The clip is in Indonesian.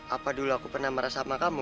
apa dulu aku pernah merasa sama kamu